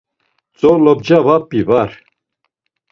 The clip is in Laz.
Tzo lobca va p̌i var!